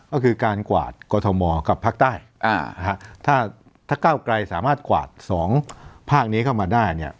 ก็คือการกวาดกรทมกับภาคใต้ถ้าก้าวไกลสามารถกวาดสองภาคนี้เข้ามาได้เนี่ย